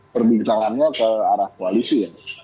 perbincangannya ke arah koalisi